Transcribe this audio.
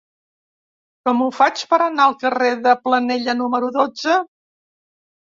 Com ho faig per anar al carrer de Planella número dotze?